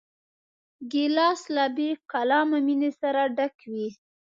ګیلاس له بېکلامه مینې سره ډک وي.